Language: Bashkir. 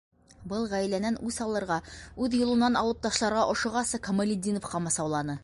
Был ғаиләнән үс алырға, үҙ юлынан алып ташларға ошоғаса Камалетдинов ҡамасауланы.